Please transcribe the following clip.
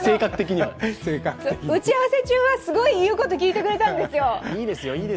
打ち合わせ中はすごい言うこと聞いてくれたんですよ。